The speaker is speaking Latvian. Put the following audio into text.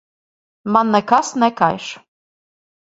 Man nekas nekaiš.